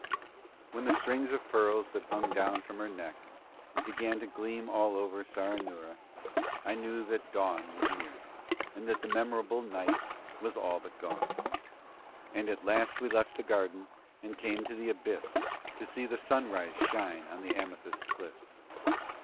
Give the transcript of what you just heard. When the strings of pearls that hung down from her neck began to gleam all over Saranoora I knew that dawn was near and that that memorable night was all but gone. And at last we left the garden and came to the abyss to see the sunrise shine on the amethyst cliff.